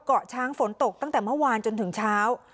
เกาะช้างฝนตกตั้งแต่เมื่อวานจนถึงเช้า